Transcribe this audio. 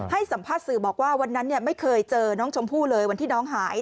สัมภาษณ์สื่อบอกว่าวันนั้นไม่เคยเจอน้องชมพู่เลยวันที่น้องหาย